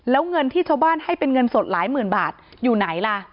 แล้วเงินที่ชาวบ้านให้เป็นเงินสดหลายหมื่นบาทอยู่ไหนล่ะ